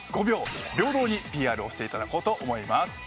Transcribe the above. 平等にＰＲをしていただこうと思います。